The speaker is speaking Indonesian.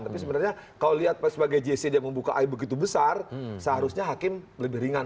tapi sebenarnya kalau lihat sebagai jc dia membuka air begitu besar seharusnya hakim lebih ringan